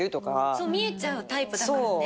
そう見えちゃうタイプだからね。